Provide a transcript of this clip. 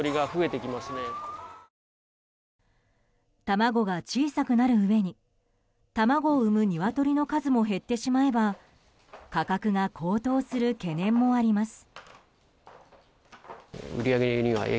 卵が小さくなるうえに卵を産むニワトリの数も減ってしまえば価格が高騰する懸念もあります。